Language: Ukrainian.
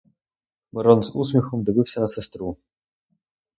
Мирон з усміхом дивився на сестру.